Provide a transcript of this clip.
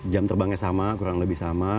jam terbangnya sama kurang lebih sama